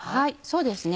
そうですね